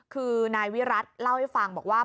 คือนายวิรัติเล่าให้ฟังบอกว่า